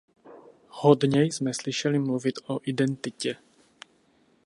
Hodně jsme slyšeli mluvit o identitě.